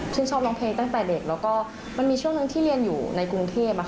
ชอบร้องเพลงตั้งแต่เด็กแล้วก็มันมีช่วงหนึ่งที่เรียนอยู่ในกรุงเทพ